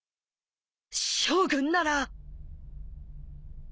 将軍なら